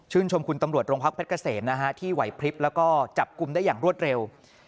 ชมคุณตำรวจโรงพักเพชรเกษมนะฮะที่ไหวพลิบแล้วก็จับกลุ่มได้อย่างรวดเร็ว